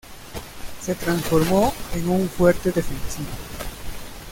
Se transformó en un fuerte defensivo.